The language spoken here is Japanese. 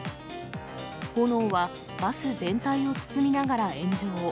炎はバス全体を包みながら炎上。